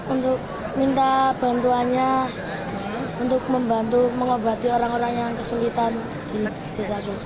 untuk minta bantuannya untuk membantu mengobati orang orang yang kesulitan di desa itu